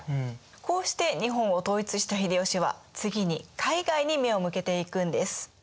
こうして日本を統一した秀吉は次に海外に目を向けていくんです。